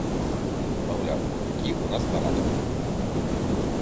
Маўляў, такі ў нас парадак.